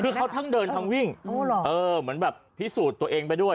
คือเขาทั้งเดินทั้งวิ่งเหมือนแบบพิสูจน์ตัวเองไปด้วย